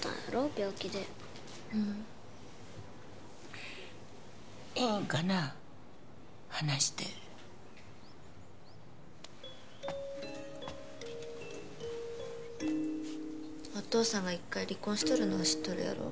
病気でうんいいんかな話してお父さんが一回離婚しとるのは知っとるやろ？